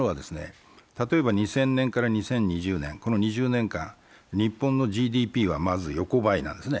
例えば２０００年から２０２０年、この２０年間、日本のＧＤＰは、まず横ばいなんですね。